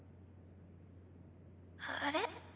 あれ？